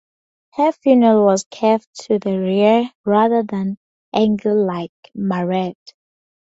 Her funnel was curved to the rear rather than angled like "Marat".